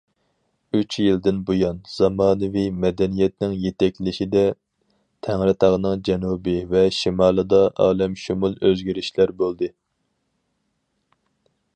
ئۈچ يىلدىن بۇيان، زامانىۋى مەدەنىيەتنىڭ يېتەكلىشىدە، تەڭرىتاغنىڭ جەنۇبى ۋە شىمالىدا ئالەمشۇمۇل ئۆزگىرىشلەر بولدى.